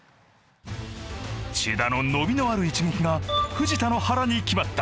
千田の伸びのある一撃が藤田の腹に決まった。